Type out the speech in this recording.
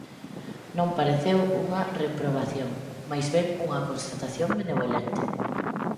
Non pareceu unha reprobación; máis ben unha constatación benevolente.